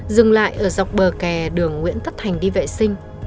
dừng lại ở dọc bờ kè đường nguyễn tất thành đi vệ sinh